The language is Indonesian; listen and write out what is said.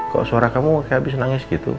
kok suara kamu kayak habis nangis gitu